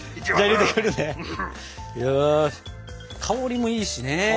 香りもいいしね。